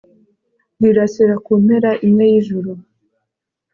rirasira ku mpera imwe y'ijuru